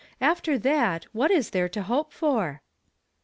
After that, what is there to hope for?"